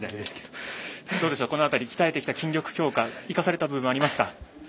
この辺り鍛えてきた筋力強化生かされた部分、ありますか。